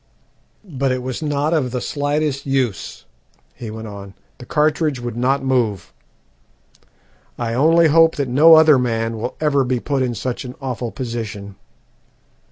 "But it was not of the slightest use," he went on, "the cartridge would not move. I only hope that no other man will ever be put in such an awful position.